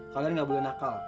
kalian gak boleh nakal